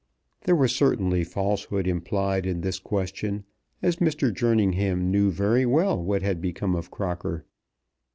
There was certainly falsehood implied in this question, as Mr. Jerningham knew very well what had become of Crocker.